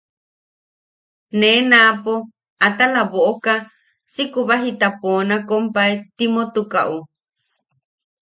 Nee naapo atala boʼoka si kubajita poona kompae Timotukaʼu.